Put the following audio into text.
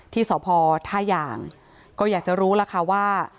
ที่สพท่ายางก็อยากจะรู้แล้วค่ะว่า